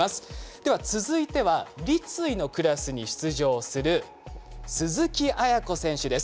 では続いては立位のクラスに出場する鈴木亜弥子選手です。